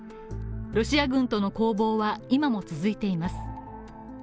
ロシア軍との攻防は今も続いています。